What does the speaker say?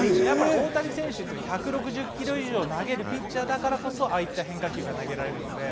大谷選手、１６０キロ以上投げるピッチャーだからこそ、ああいった変化球が投げられるので。